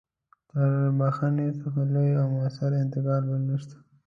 تر بخښنې څخه لوی او مؤثر انتقام بل نشته.